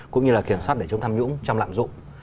cũng như là kiểm soát để chống tham nhũng trong lạm dụng